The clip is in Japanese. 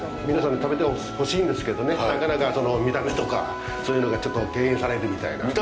皆さんに食べてほしいんですけどね、なかなか、その見た目とか、そういうのがちょっと敬遠されるみたいな。